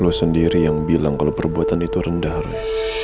lo sendiri yang bilang kalau perbuatan itu rendah roy